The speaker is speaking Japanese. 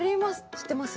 知ってます？